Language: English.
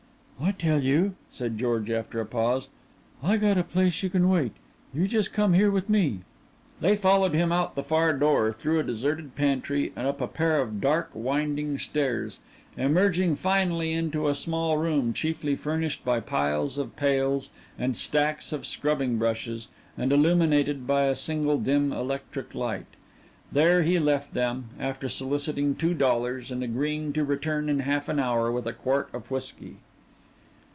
"I tell you," said George, after a pause, "I got a place you can wait; you just come here with me." They followed him out the far door, through a deserted pantry and up a pair of dark winding stairs, emerging finally into a small room chiefly furnished by piles of pails and stacks of scrubbing brushes, and illuminated by a single dim electric light. There he left them, after soliciting two dollars and agreeing to return in half an hour with a quart of whiskey.